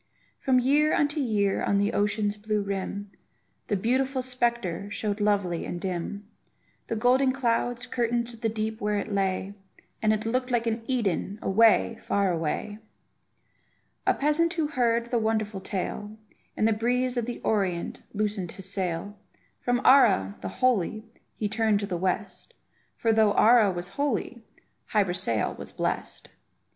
From year unto year on the ocean's blue rim, The beautiful spectre showed lovely and dim; The golden clouds curtained the deep where it lay, And it looked like an Eden, away, far away! A peasant who heard of the wonderful tale, In the breeze of the Orient loosened his sail; From Ara, the holy, he turned to the west, For though Ara was holy, Hy Brasail was blest.